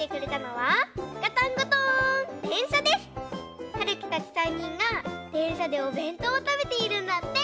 はるきたち３にんがでんしゃでおべんとうをたべているんだって！